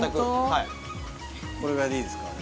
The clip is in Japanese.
はいこれぐらいでいいですか？